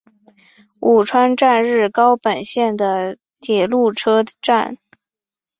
鹉川站日高本线的铁路车站。